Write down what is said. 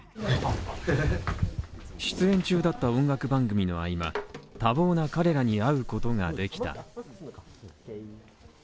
出演中だった音楽番組の合間多忙な彼らに会うことができた。